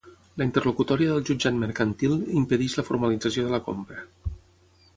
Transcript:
La interlocutòria del Jutjat Mercantil impedeix la formalització de la compra.